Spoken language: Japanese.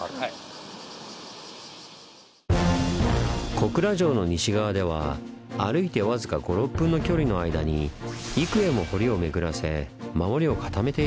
小倉城の西側では歩いて僅か５６分の距離の間に幾重も堀を巡らせ守りを固めているんです。